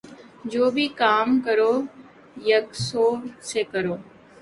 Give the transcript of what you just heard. جو بھی کام کرو یکسوئی سے کرو۔